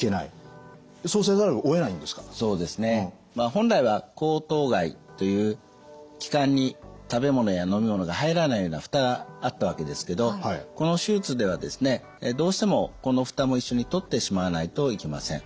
本来は喉頭蓋という気管に食べ物や飲み物が入らないような蓋があったわけですけどこの手術ではですねどうしてもこの蓋も一緒に取ってしまわないといけません。